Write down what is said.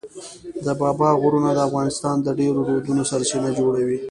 د بابا غرونه د افغانستان د ډېرو رودونو سرچینه جوړوي.